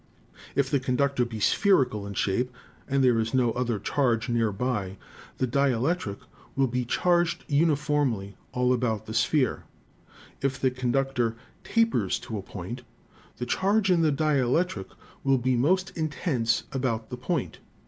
If the conductor be spherical in shape and there is no other charge near by, the dielectric will be charged uniformly; Electrification by Influence. all about the sphere. If the conductor tapers to a point, the charge in the dielectric will be most intense about} the point.